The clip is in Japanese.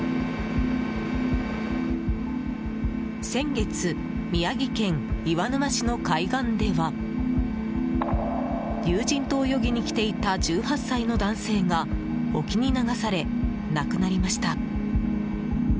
先月、宮城県岩沼市の海岸では友人と泳ぎに来ていた１８歳の男性が沖に流され亡くなりました。